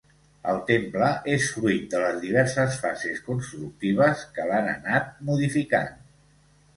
El temple és fruit de les diverses fases constructives que l'han anat modificant.